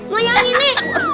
mau yang ini